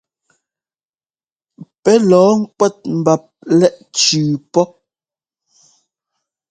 Pɛ́ lɔ̌ɔ ŋkúɛ́t mbap lɛ́ʼ cʉʉ pɔ.